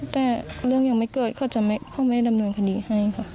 แต่เรื่องยังไม่เกิดเขาจะเขาไม่ดำเนินคดีให้ค่ะ